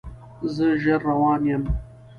زه ژر روان یم